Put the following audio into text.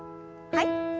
はい。